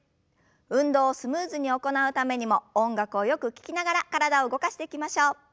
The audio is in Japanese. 運動をスムーズに行うためにも音楽をよく聞きながら体を動かしていきましょう。